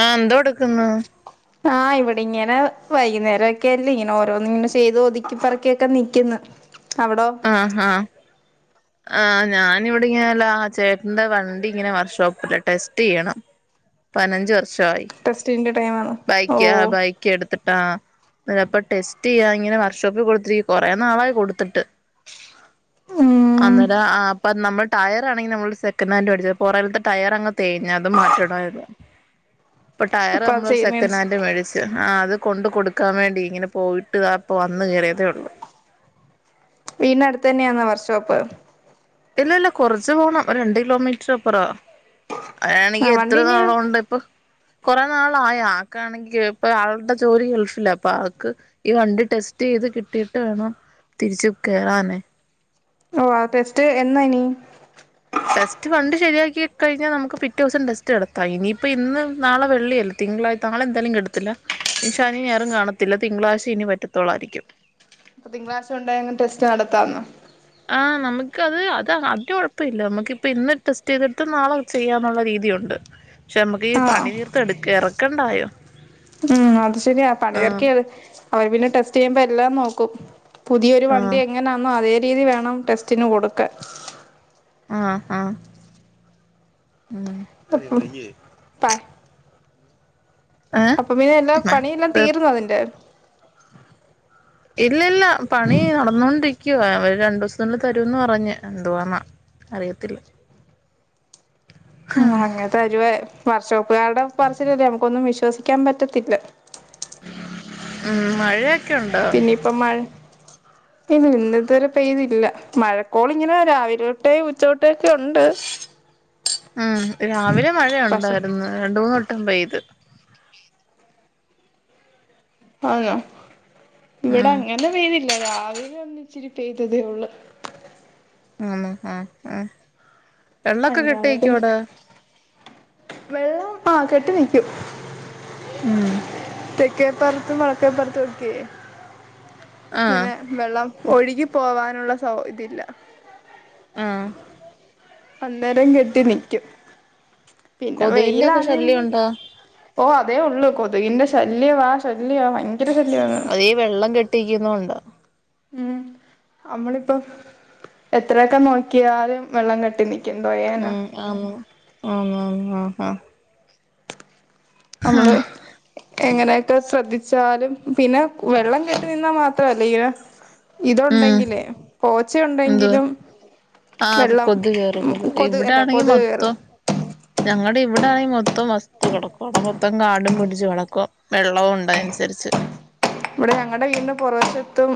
ആഹ എന്താടുക്കുന്നു ആഹ് ഇവിടെ ഇങ്ങനെ വൈകുന്നേരം ഒക്കെ അല്ലേ ഇങ്ങനെ ഓരോന്ന് ഇങ്ങനെ ചെയ്ത് ഒതുക്കിപ്പറക്കിക്കെ നിക്കുന്നു എവിടോ ആഹ് ആഹ ആ് ഞാനിവിടെങ്ങനല്ല ആ ചേട്ടൻന്റെ വണ്ടി ഇങ്ങനെ വർക്ക്ഷോപ്പല്ല ടെസ്റ്റ് ചെയ്യണം [inaudible] പതിനഞ്ച് വർഷയി ടെസ്റ്റിന്റെ ടൈമാണോ ഓ ബൈക്ക് ആ ബൈക്ക് എടുത്തിട്ടാ അപ്പോ ടെസ്റ്റ് ചെയ്യാ ഇങ്ങനെ വർക്ക്ഷോപ്പിൽ കൊടുത്തിരിക്ക കുറേ നാളായി കൊടുത്തിട്ട് [unintelligible] അ ഉം അപ്പ നമ്മൾ ടയർ ആണെങ്കിൽ നമ്മള് സെക്കൻഡ്ടിച്ചത് പുറിലത്തെ ടയർ അങ് തേിഞ്ഞ അത് മാറ്റണമായിത് [unintelligible] പ്പോ ടയർ അപ്പ നമ്മള് ഒരു ചെയ് മീൻസ് സെക്കന്റെ വേടിച്ച് ആ അത് കൊണ്ട് കൊടുക്കാൻ വേണ്ടി ഇങ്ങനെ പോയിട്ട് അപ്പൾ വന്ന് കയറിയതേ ഉള്ളൂ വീടിന് അടുത്ത് തന്നെയാന്ന വർക്ക്ഷോപ്പ് ഇല്ല ഇല്ല കുറച്ച് പോണം രണ്ട് കിലോമീറ്റർപ്പുറം ആ ആണെങ്കി എത്ര വണ്ടി ഇനി നാള ഉണ്ട് ഇപ്പൊ കുറെേ നാളായോ ആക്കാണെങ്കി ഇപ്പൊ ആളുടെ ജോലി ഗൾഫില്ല അപ്പൊ ആൾക്ക് ഈ വണ്ടി ടെസ്റ്റ് ചെയ്ത് കിട്ടിട്ട് വേണം തിരിച്ച് കേയറാനേ ഓ ടെസ്റ്റ് എനാഇനി ടെസ്റ്റ് കണ്ട് ശരിയാക്കി കഴിഞ്ഞാൽ നമുക്ക് പിറ്റ ദിവസം ടെസ്റ്റ് എടുത്താം ഇനിയിപ്പ ഇന്ന് നാളെ വെള്ളിയല്ല തിങ്കളാഴ് നാളെന്തായാലും കിട്ടത്തില്ല ഇനി ശനി ഞ നേരും കാണത്തില്ല തിങ്കളാഴ്ച ഇനി പറ്റത്തോളായിരിക്കും അപ്പ തിങ്കളാ്ശം ഉണ്ടായ അങ്ങ് ടെസ്റ്റ് നടത്താന്നോ ആഹ നമുക്ക് അത് അതി കുഴപ്പമില്ല നമുക്ക്പ്പ ഇന്ന് ടെസ്റ്റ് ചെയ്തെടുത്ത നാളെ ചെയ്യാന്നുള്ള രീതിയുണ്ട് പക്ഷെ നമ്മുക്ക് ഈ ആഹ് പണി തീർത്ത് എടുക്ക ഇറക്കണ്ടായോ ഉം അത് ശരിയാ പണി ആഹ് ചറക്കിയാണ് അവര് പിന്നെ ടെസ്റ്റ് ചെയ്യുമ്പോ എല്ലാം നോക്കും പുതിയൊരു വണ്ടി ആഹ് എങ്ങനാണോ അതേ രീതി വേണം ടെസ്റ്റിന് കൊടുക്ക ആ- ആ- ആ-മ് [unintelligible] പാ ഏഹ് അപ്പൊ മീന എല്ലാം പണിയെല്ലാം തീർന്ന നിന്റെ ഇല്ല ഇല്ല പണി നടന്നുകൊണ്ടിരിക്ക ഒരു രണ്ട് ദിവസത്തിുള്ളിൽ തരുമെന്ന് പറഞ്ഞ് എന്തുവാെന്നാ അറിയത്തില്ല ഉ അങ്ങനത്തെരുവ വർഷവക്കുകാരുടെ പറസിലല്ലേ നമുക്കൊന്നും വിശ്വസിക്കാൻ പറ്റത്തില്ല ഉം മഴയൊക്കെുണ്ട് [unintelligible] ഇല്ല ഇന്നത്തെവരെ പെയ്തില്ല മഴക്കോളിങ്ങനെ രാവിലെ തോട്ടേ ഉച്ചോട്ടേ ഒക്കെ ഉണ്ട് [unintelligible] ഉം രാവിലെ മഴയ പക്ഷെ ഉണ്ടായിരുന്നു രണ്ട മൂന്ന് വെട്ടം പെയ്ത് ആന്നോ ഇവിടെ ഉം അങ്ങനെ പെയ്തില്ല രാവിലെ ഒന്നിച്ചിരി പെയ്തതേ ഒള്ളു. ആണോ ആഹ് ആഹ് വെള്ളൊക്കെ കെട്ടി അല്ലാതെ നിക്കോ പിന്നെ അവിടെ വെള്ളം ആ കെട്ടി നിക്ക്യും ഉം തെക്കേപ്പർത്തും വടെക്കേപ്പർത്തൊക്കെ ആഹ് ഇങ്ങനെ. വെള്ളം കൊ ഒഴുകി പോവാനുള്ള സൗ ഇതില്ല. ആഹ് അന്നേരം കെട്ടി നിക്ക്യും. പിന്നെ കൊതുകിന്റെ ഒക്കെ ശല്യം വെയിലാന്നെങ്കി ഉണ്ടോ ഓ അതേ ഒള്ളൂ. കൊതുകിന്റെ ശല്യവാ ശല്യ ഭയങ്കര ശല്യ [unintelligible] അതീ വെള്ളം കെട്ടിക്ക്ന്നോണ്ടൊ. ഉം അമ്മളിപ്പൊ എത്രയൊക്കെ നോക്കിയാലും വെള്ളം കെട്ടിനി കെന്തോയാന ഉം ആന്ന് ആന്ന് ആന്ന് ആഹ് അമ്മള് എങ്ങനെയൊക്കെ സ്രദ്ധിച്ചാലും പിന്നെ വെള്ളം കേട്ടി നിന്നാ മാത്രല്ലെ ഇയ ഉം ഇതുണ്ടെങ്കിലേ പോച്ച എന്തുവാ ഉണ്ടെങ്കിലും ആഹ് വെള്ളം കൊതു കേറും ഉം കൊതു ഇവിടെ അല്ല ആണെങ്കി കൊതു കേറും മൊത്തം ഞങ്ങടെ ഇവിടായി മൊത്തം വസ്തു കടക്ക. അവടെ മൊത്തം കാടും പിടിച്ച് കടക്ക്വാ. വെള്ളവുണ്ട് അയ്നൻസര്ച്ച് ഇവടെ ഞങ്ങടെ വീടിന്റെ പൊറവശത്തും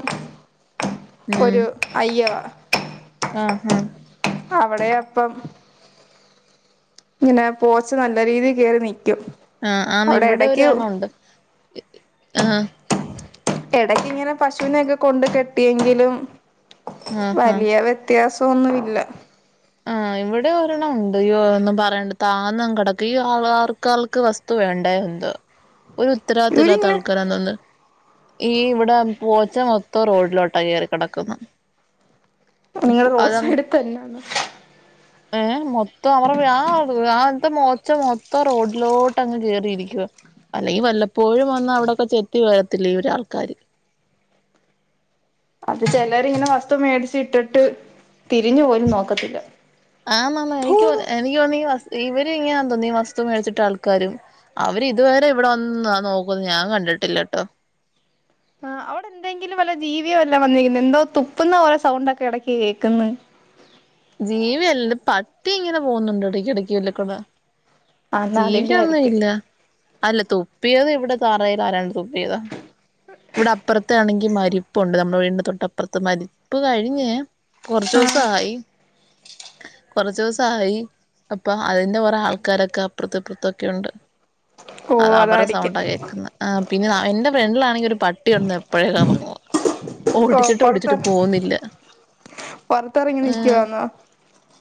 ഉം ഒരു അയ്യ ആഹ് ആഹ് അവെടെ അപ്പം ങ്ങനെ പോച്ച് നല്ല രീതി കേറി നിക്കും. ആഹ് ആമി അവിടെ ഇവടെ ഒരു എടക്ക് ആണുണ്ട് ആഹ് എടക്ക് ഇങ്ങനെ പശുവിനൊക്കെങ്ങനെ കൊണ്ട് കെട്ടിയെങ്കിലും ആഹ് ആഹ് വലിയ വ്യത്യാസൊന്നുല്ല. ആഹ് ഇവിടെ ഒരെണ്ണം ഉണ്ട് യോ ന്നും പറയണ്ട് താന്നങ് കെടക്ക ഈ [unintelligible] തു വേണ്ട എന്തൊ. ഒരു ഉത്തരവാദിത്ത ഇല്ലാത്ത ഇവരിങ്ങനെ ആൾക്കാരാ തൊന്ന് ഈ ഇവടെ പോച്ച മൊത്തം റോഡിലോട്ടാ കേറി കെടക്കുന്നെ നിങ്ങള് റോഡ് സൈഡ് ക്കെന്നേന്നൊ. ഏഹ് മൊത്തം അവർ ആഹ് ആ വ്ത്തെ മോച്ച മൊത്തം റോഡിലോട്ട് അങ്ങ് കേറിയിരിക്കുവ അല്ലെങ്കി വല്ലപ്പോഴും വന്ന് അവിടൊക്കെ ചെത്തി വയർത്തില്ലെ ഇവരാൾക്കാര്. അത് ചെലര് ഇങ്ങനെ വസ്തു മേടിച്ചിട്ടിട്ട് തിരിഞ്ഞു പോലും നോക്കത്തില്ല. ആഹ് മാമ എനിക്ക് എനിക്ക് തോന്നി ഇവര് ഇങ്ങനാ ന്തോന്നി ഈ വസ്തു മേട്ച്ചിട്ടാൾക്കാരും അവര് ഇതുവരെ ഇവടെ വന്ന് നോകുന്ന് ഞാൻ കണ്ടിട്ടില്ല ട്ടോ ആ അവടെന്തെങ്കിലും വല്ല ജീവിയോ വല്ല വന്നിരിക്കുന്ന് എന്തോ തുപ്പുന്ന പോലെ സൗണ്ടോക്കെ എടക്ക് കേക്ക്ന്ന്. ജീവി എല്ല പട്ടി അങ്ങനെ പോകുന്ന്ണ്ട് എടക്കിടക്ക് ല്ലക്കൂടെ ആ എന്നാ അതിന്റെ ജീവിയൊന്ന് ആയിരിക്കും ഇല്ല അല്ല തൊപ്പിയത് ഇവിടെ താറയിൽ ആരാണ് തൊപ്പിയത്. ഇവടെ അപ്പർത്താണെങ്കി മരി പ്പുണ്ട് നമ്മടെ വീടിൻ്റെ തൊട്ടപ്പർത്ത് മരിപ്പ് കഴിഞ്ഞ് ആ കൊർചോസായി. കൊർ ചോസായി. അപ്പ അതിന്റെ കൊറേ ആൾക്കാരൊക്കെ അപ്പർത്ത് ഇപ്പുർത്തൊക്കെ ഉണ്ട്. ഓ അത് അവരെ അതായിരിക്കും സൗണ്ട കേൾക്കുന്നെ. പിന്നെ എന്റെ ഫ്രണ്ടിലാണെങ്കി ഒരു പട്ടി ഉണ്ട് എപ്പോഴും [unintelligible] ഓ ഓട്ടിച്ചിട്ട് ഓട്ടിച്ചിട്ട് പോകുന്നില്ല. പൊർത്തെറങ്ങി നിക്കുവാന്നൊ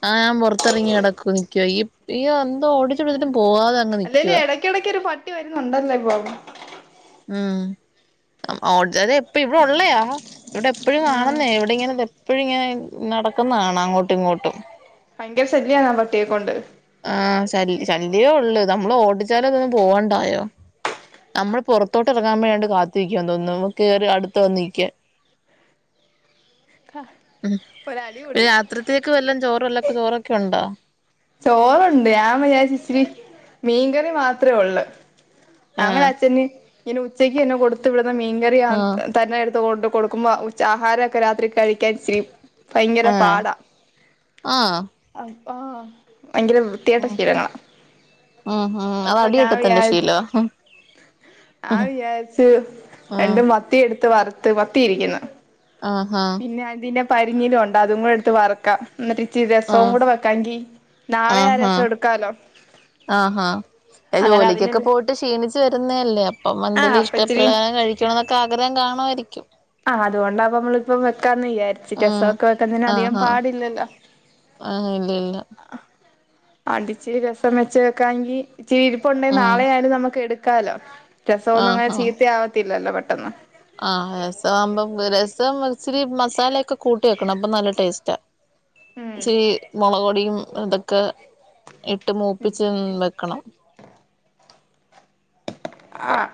ആഹ് ഞാൻ പൊറത്തെറങ്ങി നടക്കു നിക്ക ഈ ഈന്തോ ഓടിച്ചു ടിച്ചിട്ടും പോവാതെ അങ്ങ് അല്ലേലും നിക്കുവാ എടക്കെടക്കൊരു പട്ടി വര്ന്നുണ്ടലല്ലോ ഇപ്പം ഉം [unintelligible] എപ്പ ഇവ്ടെ ഒള്ളയാ ഇവ്ടെ എപ്പെഴും ആഹ് കാണുന്നേ. ഇവടെ ഇങ്ങനെ എപ്പെഴുങ്ങനെ നടക്കുന്നാണാ അങ്ങോട്ടും ഇങ്ങോട്ടും ഭയങ്കര ശല്യാണോ പട്ടിയെ കൊണ്ട് ആഹ് ശല് ശല്യേ ഒള്ള്. നമ്മള് ഓട്ടിച്ചാലതൊന്നും പോവണ്ടായോ അമ്മള് പുറത്തോട്ടറങ്ങാൻ മേണ്ടി കാത്തിരിക്കാൻ തോന്ന്ന്നു. കേറി അടുത്ത വന്നിക്കാൻ. കാഹ് ഉം രാത്രിത്തേക്ക് വല്ലം ചോറല്ലക്കെ ചോറൊക്കെ ഉണ്ടോ ചോറണ്ട് ഞാൻ വിചാരിച്ച് ഇച്ചിരി മീൻകറി മാത്രേ ഒള്ള് അങ്ങനെ ആഹ് അഛന് ഇങ്ങനെ ഉച്ചക്കന്നെ കൊട്ത് വിടുന്ന മീൻകറിയ ആഹ് ത് തന്നെ എടുത്ത് കൊണ്ട്കൊടുക്കുമ്പോ ഉചാ ആഹാരൊക്കെ രാത്രി കഴിക്കാൻഇച്ചിരി ആഹ് ഭയങ്കരപാടാ ആഹ് ആഹ് ഭയങ്കരവൃ വൃത്തികെട്ട ഉം ശീലങ്ങളാ ഉം ഉം അത് അടി അപ്പൊഞാൻ വിചാ കിട്ടത്തിന്റെ ശീലവാ ഞാൻ വിചാരിച്ചു ആഹ് രണ്ടുമത്തിഎടുത്ത് വറുത്ത് മത്തിയിരിക്കുന്നു. ആഹ് ആഹ് ഇനി അതിന്റെ പരിഞ്ഞിലൊണ്ട് അതും കുടെഎടുത്ത് വറുക്കാം ന്നിട്ട് ച്ചി രെസോം ആഹ് കൂടെവെക്കാങ്കി നാളെ ആ രെസം എടുക്കാലോ ആഹ് ആഹ് അങ്ങനെ അതിനല്ലേ ജോലിക്കൊക്കെപോയിട്ട് ക്ഷീണിച്ചുവരുന്നതല്ലേ ആഹ് അപ്പമെന്തേലും അപ്പ ഇച്ചിരി ഇഷ്ടപ്രകാര കഴിക്കാണോന്നൊക്കെ ആഗ്രഹം കാണുവായിരിക്കും. ആഹ് അതുകൊണ്ടാപ്പ മ്മളിപ്പം വെക്കാന്ന് വിയാരിച്ചു ഉം രെസൊക്കെ വെക്കുന്നതിന് അധികംപാടില്ലല്ലോ. ആഹ് ഇല്ല ഇല്ല ആഹ് ആണ്ടിച്ചിരി രെസം വെച്ചേക്കാങ്കിൽ ഇച്ചിരിഇരുപ്പുണ്ടെ ഉം നാളെആയാലും നമുക്ക് എടു ക്കാലോ രെസോന്നും അങ്ങനെ ചീത്തേയാവത്തില്ലല്ലോ പെട്ടെന്ന് ആഹ് രെസമാവുമ്പം രെസംഇച്ചിരി മസാലൊക്കെ കൂട്ടിവെക്കണം അപ്പൊ നല്ലടേസ്റ്റാ. ഉം ഇച്ചിരി മുളകൊടിയും ഇതൊക്കെഇട്ട് മൂപ്പിച്ച് വെക്കണം. ആഹ്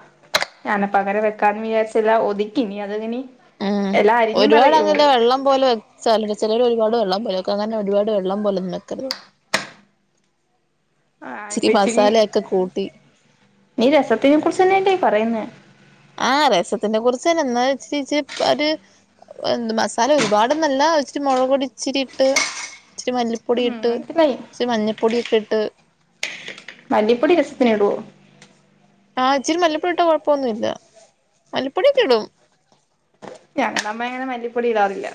ഞാനപ്പഅങ്ങനെ വെക്കാന്ന് വിചാരിച്ച് എല്ലാ ഒതുക്കിനി അതെങ്ങിനി ആഹ് ഒരുപാടങ്ങനെ വെള്ളം പോലെ വെച്ചല് ചേലോര് ഒരുപാട് വെള്ളംപാരും വെക്കഅങ്ങനെ ഒരുപാട് വെള്ളംപോലെ ഒന്നുംവെക്കരുത്. [inaudible] ആഹ് ഇച്ചിരി ഇപ്പച്ചിരി മസാലയൊക്കെ കൂട്ടി ആഹ് രെസത്തിനെ കുറിചന്നെ ഇന്നാലും ഇച്ചിരി ഇച്ചിരി പ്പര് ന്ത്മസാല ഒരുപാടൊന്നല്ല ഇച്ചിരി മുളകൊടി ഇിച്ചിരിട്ട് ഇച്ചിരിമല്ലി ഉം പൊടിട്ട് മനസ്സിലായി ഇച്ചിരിമഞ്ഞപ്പൊടിയൊക്കിട്ട് മല്ലിപ്പൊടി രെസത്തിന് ഇടോ ആഹ് ഇച്ചിരി മല്ലിപ്പൊടിഇട്ട കുഴപ്പൊന്നുല്ല മല്ലിപ്പൊടിയൊക്കിടും. ഞ്ഞ ന്നമ്മേ അങ്ങനെ മല്ലിപ്പൊടിടാറില്ല.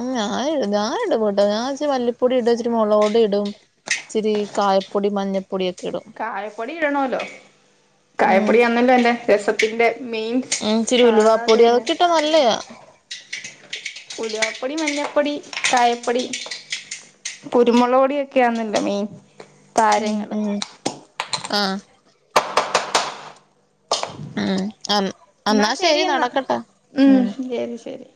ഉം ഞാനിടും ഞാനിടുംപ്പോട്ടൊ ഞാൻ ഇച്ചിരി മല്ലിപ്പൊടിടും ഇച്ചിരി മുളകോടിടും. ഇച്ചിരികായപ്പൊടി മഞ്ഞ കായപ്പൊടിഇടണോലോ ഉം കായപ്പൊടിയാന്നല്ലോ അയ്‌ന്റെ രെസത്തിന്റെ മെയിൻ ഉം ഇച്ചിരി ഉലുവാപ്പൊടി സാധന അതൊക്കെ ഇട്ടാ നല്ലയാ ഉലുവാപ്പൊടി മഞ്ഞപ്പൊടി കായപ്പൊടി കുരുമൊളകുപ്പൊടി ഒക്കെയാന്നല്ലോ മെയ്ൻ. ഉം ഉം ആഹ് ഉം അന് എന്നാ അന്നാ ശരി എന്നാ ശെരിനടക്കട്ടെ ഉം ശരി ശരി